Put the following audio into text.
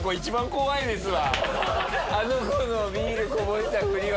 あの子のビールこぼしたふりは。